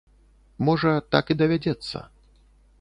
Можа, так і давядзецца.